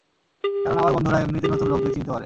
কারণ আমার বন্ধুরা, এমনিতে নতুন লোকদের চিনতে পারে।